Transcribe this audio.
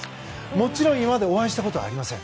もちろん今までお会いしたことはありません。